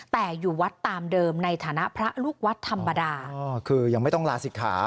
แต่อยู่วัดตามเดิมในฐานะพระลูกวัดธรรมดาอ๋อคือยังไม่ต้องลาศิกขา